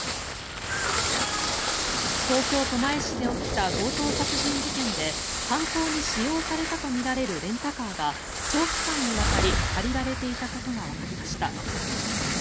東京・狛江市で起きた強盗殺人事件で犯行に使用されたとみられるレンタカーが長期間にわたり借りられていたことがわかりました。